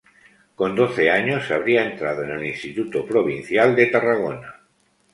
Con doce años habría entrado en el Instituto Provincial de Tarragona.